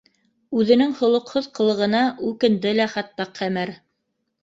Үҙенең холоҡһоҙ ҡылығына үкенде лә хатта Ҡәмәр